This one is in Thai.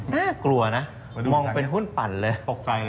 น่ากลัวนะมองเป็นหุ้นปั่นเลย